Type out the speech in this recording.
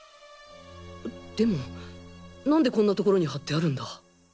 でも何でこんなところに貼ってあるんだ？